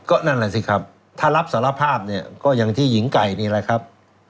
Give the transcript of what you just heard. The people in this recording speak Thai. ก็นั่นแหละสิครับถ้ารับสารภาพเนี่ยก็อย่างที่หญิงไก่นี่แหละครับ